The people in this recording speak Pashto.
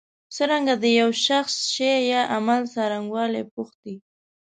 څنګه د یو شخص شي یا عمل څرنګوالی پوښتی.